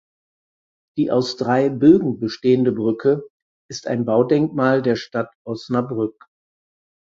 Die aus drei Bögen bestehende Brücke ist ein Baudenkmal der Stadt Osnabrück.